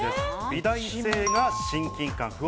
美大生が親近感。